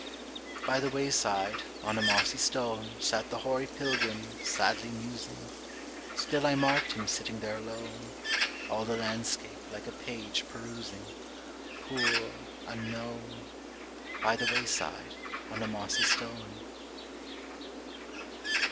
By the wayside, on a mossy stone, Sat the hoary pilgrim, sadly musing; Still I marked him sitting there alone, All the landscape, like a page, perusing; Poor, unknown! By the wayside, on a mossy stone.